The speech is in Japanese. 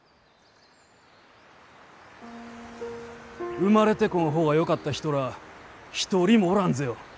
生まれてこん方がよかった人らあ一人もおらんぜよ。